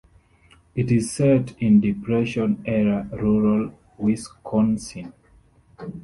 It is set in Depression-era rural Wisconsin.